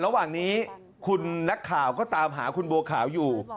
ระหว่างนี้คุณนักข่าวก็ตามหาคุณบัวขาวอยู่